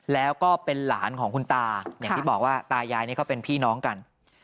แล้วก็เป็นหลานของคุณตาอย่างที่บอกว่าตายายนี่เขาเป็นพี่น้องกัน